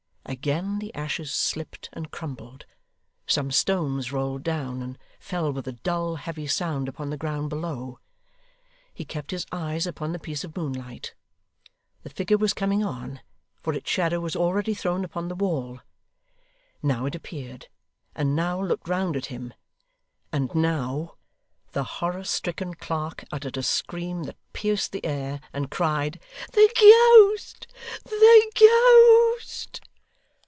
Again the ashes slipped and crumbled; some stones rolled down, and fell with a dull, heavy sound upon the ground below. He kept his eyes upon the piece of moonlight. The figure was coming on, for its shadow was already thrown upon the wall. Now it appeared and now looked round at him and now The horror stricken clerk uttered a scream that pierced the air, and cried, 'The ghost! The ghost!